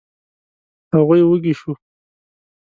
هغوی وږي شوو.